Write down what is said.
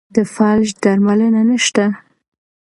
د فلج درملنه نشته.